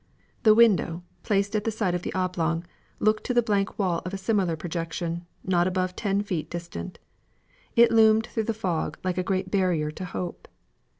The window, placed at the side of the oblong, looked at the blank wall of a similar projection, not above ten feet distant. It loomed through the fog like a great barrier to hope.